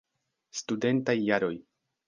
Studentaj jaroj.